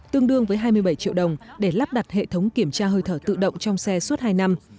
tương đương với hai mươi bảy triệu đồng để lắp đặt hệ thống kiểm tra hơi thở tự động trong xe suốt hai năm